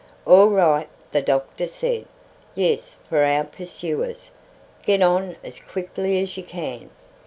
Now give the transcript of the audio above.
"All right!" the doctor said. "Yes, for our pursuers! Get on as quickly as you can."